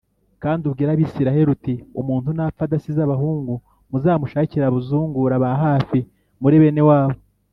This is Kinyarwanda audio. Kandi ubwire Abisirayeli uti “Umuntu napfa adasize abahungu, muzamushakire abazungura ba hafi muri bene wabo”